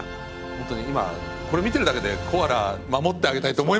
本当に今これ見てるだけでコアラ守ってあげたいと思いますもんね。